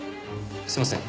すいません。